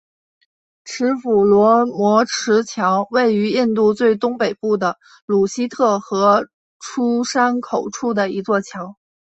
持斧罗摩池桥位于印度最东北部的鲁西特河出山口处的一座桥。